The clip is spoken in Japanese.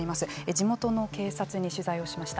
地元の警察に取材をしました。